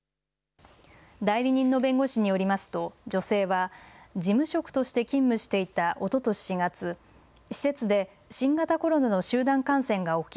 代理人の弁護士によりますと女性は事務職として勤務していたおととし４月、施設で新型コロナの集団感染が起き